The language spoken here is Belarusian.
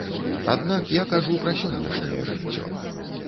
Аднак я кажу пра сённяшняе жыццё.